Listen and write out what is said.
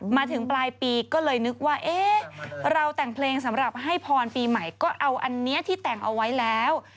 มาถึงปลายปีก็เลยนึกว่าเอ๊ะเราแต่งเพลงสำหรับให้พรปีใหม่ก็เอาอันนี้ที่แต่งเอาไว้แล้ว